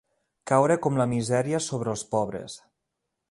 Caure com la misèria sobre els pobres.